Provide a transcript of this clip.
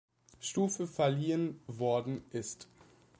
Stufe verliehen worden ist.